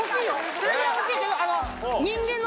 それぐらい欲しいけど。